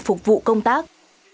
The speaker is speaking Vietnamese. phục vụ công tác